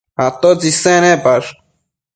atotsi isec nepash?